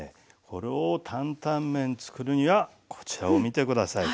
これ担々麺作るにはこちらを見て下さい。